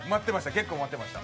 結構待ってました。